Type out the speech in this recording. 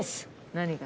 何が？